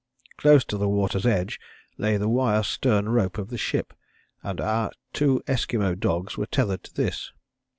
Close to the water's edge lay the wire stern rope of the ship, and our two Esquimaux dogs were tethered to this.